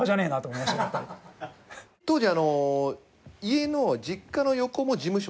当時。